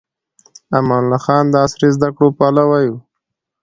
امان الله خان د عصري زده کړو پلوي و.